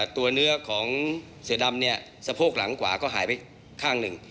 ตัวเนื้อของเสือดำเนี่ยสะโพกหลังขวาก็หายไปข้างหนึ่ง